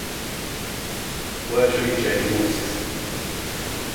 Where shall you change horses?.